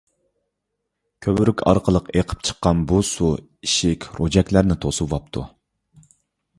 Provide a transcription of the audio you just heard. كۆۋرۈك ئارقىلىق ئېقىپ چىققان بۇ سۇ ئىشىك، روجەكلەرنى توسۇۋاپتۇ.